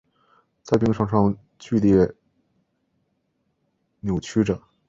在病床上剧烈扭曲著